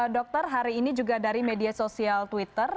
dokter hari ini juga dari media sosial twitter